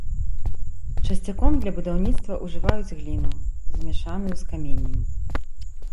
Часцяком для будаўніцтва ўжываюць гліну, змяшаную з каменнем.